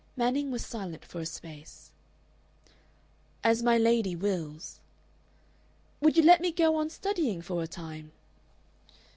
Manning was silent for a space. "As my lady wills." "Would you let me go on studying for a time?"